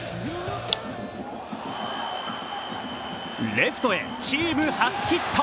レフトへチーム初ヒット。